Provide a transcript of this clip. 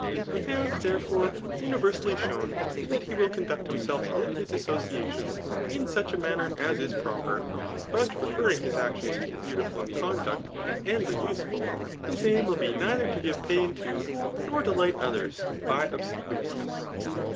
We have» therefore, universally shown, that he will conduct himself in his associations ia such a manner as is proper ; but referring his actions to the beautiful in conduct and the useful, his sum will be neither to give pain to, nor delight others, by obsequfousness.